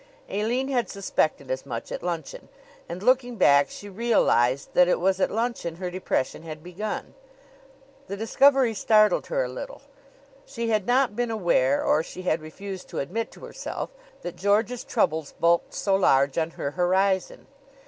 Aline had suspected as much at luncheon; and looking back she realized that it was at luncheon her depression had begun. The discovery startled her a little. She had not been aware, or she had refused to admit to herself, that George's troubles bulked so large on her horizon.